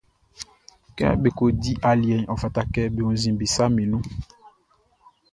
Kɛ be ko di aliɛʼn, ɔ fata kɛ be wunnzin be saʼm be nun.